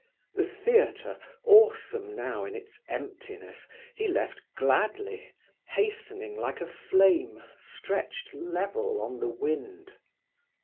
The theatre, awesome now in its emptiness, he left gladly, hastening like a flame stretched level on the wind.